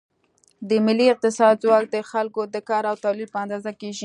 د ملي اقتصاد ځواک د خلکو د کار او تولید په اندازه کېږي.